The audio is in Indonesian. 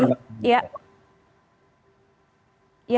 saya kira itu tantangannya